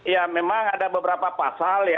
ya memang ada beberapa pasal ya